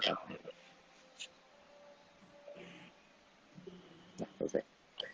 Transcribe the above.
waalaikumsalam pak gubernur